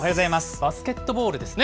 バスケットボールですね。